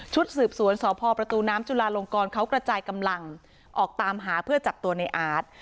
สืบสวนสพประตูน้ำจุลาลงกรเขากระจายกำลังออกตามหาเพื่อจับตัวในอาร์ต